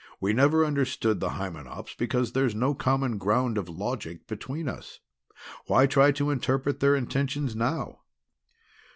We never understood the Hymenops because there's no common ground of logic between us. Why try to interpret their intentions now?"